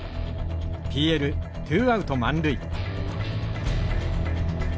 ＰＬツーアウト満塁。